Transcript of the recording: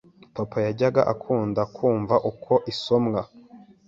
papa yajyaga akunda kumva uko isomwa,